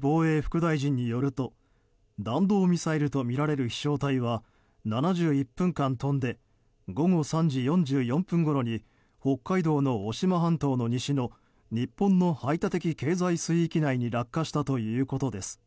防衛副大臣によると弾道ミサイルとみられる飛翔体は７１分間飛んで午後３時４４分ごろに北海道の渡島半島の西の日本の排他的経済水域内に落下したということです。